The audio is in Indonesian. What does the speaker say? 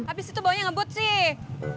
habis itu bawanya ngebut sih